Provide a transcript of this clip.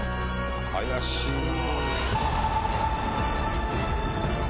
怪しいな！